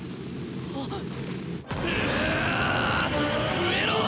増えろ！